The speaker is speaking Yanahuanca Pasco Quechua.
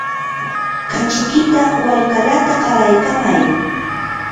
kachikita walkalata qaraykamay.